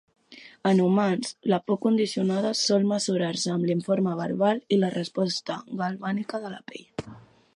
En humans, la por condicionada sol mesurar-se amb l'informe verbal i la resposta galvànica de la pell.